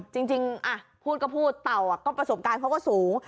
จริงพูดก็พูดเต่าก็ประสบการณ์เขาก็สูง